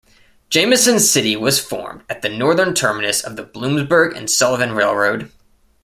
Jamison City was formed at the northern terminus of the Bloomsburg and Sullivan Railroad.